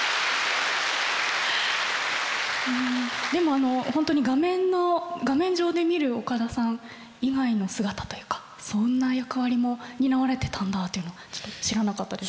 でも本当に画面上で見る岡田さん以外の姿というかそんな役割も担われてたんだっていうの知らなかったです。